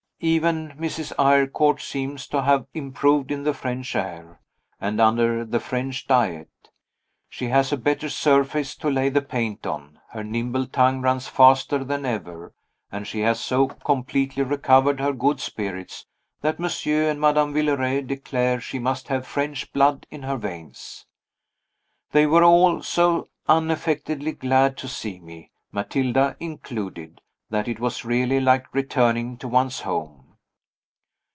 Even Mrs. Eyrecourt seems to have improved in the French air, and under the French diet. She has a better surface to lay the paint on; her nimble tongue runs faster than ever; and she has so completely recovered her good spirits, that Monsieur and Madame Villeray declare she must have French blood in her veins. They were all so unaffectedly glad to see me (Matilda included), that it was really like returning to one's home.